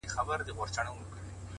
مثبت چلند فضا بدلوي؛